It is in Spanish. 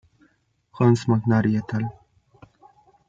Holmes-McNary et al.